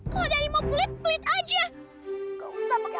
kalau dari mau pelit pelit aja